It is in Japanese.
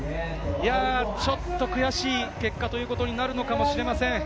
ちょっと悔しい結果ということになるのかもしれません。